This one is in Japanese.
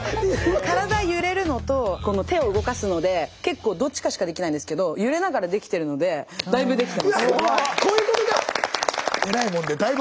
体揺れるのとこの手を動かすので結構どっちかしかできないんですけど揺れながらできてるのでだいぶできてます。